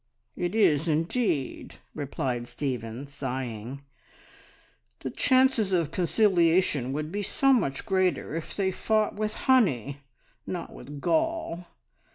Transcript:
"It is indeed," replied Stephen, sighing. "The chances of conciliation would be so much greater if they fought with honey, not with gall.